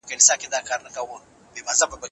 ليکوال همدا اوس په خصوصي کتابتون کي مطالعه کوي.